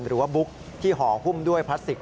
หรือว่าบุ๊กที่หอหุ้มด้วยพลาสติก